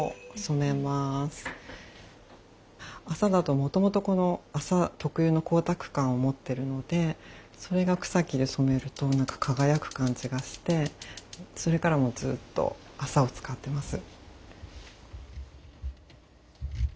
麻だともともとこの麻特有の光沢感を持ってるのでそれが草木で染めると何か輝く感じがしてそれからもうずっと麻を使ってます。